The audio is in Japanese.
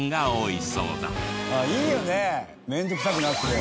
面倒くさくなくて。